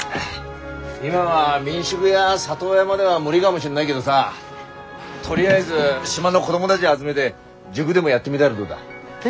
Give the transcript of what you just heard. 今は民宿や里親までは無理がもしんないげどさとりあえず島の子どもたぢ集めて塾でもやってみだらどうだ？え。